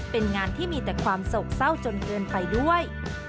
เป็นงานที่มีแต่ความโศกเศร้าจนเกินไปด้วย